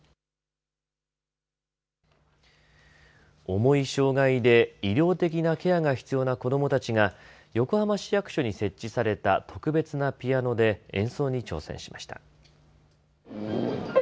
重い障害で医療的なケアが必要な子どもたちが横浜市役所に設置された特別なピアノで演奏に挑戦しました。